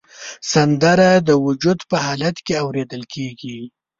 سندره د وجد په حالت کې اورېدل کېږي